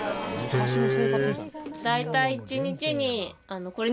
昔の生活みたい。